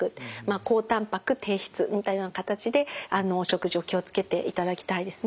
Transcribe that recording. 高たんぱく低脂質みたいな形でお食事を気を付けていただきたいですね。